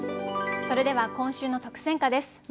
それでは今週の特選歌です。